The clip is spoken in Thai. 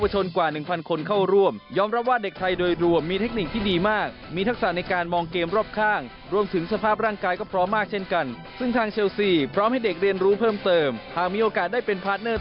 หลายคนที่มาชมการฝึกซ้องก็จะได้พัฒนารูปแบบการสอนด้วย